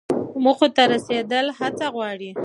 موخو ته رسیدل هڅه غواړي.